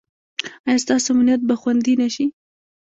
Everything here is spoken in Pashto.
ایا ستاسو امنیت به خوندي نه شي؟